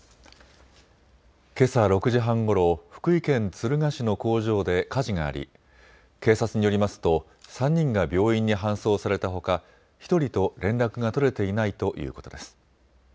けさ６時半ごろ、福井県敦賀市の工場で火事があり警察によりますと３人が病院に搬送されたほか１人と連絡が取れていないということです。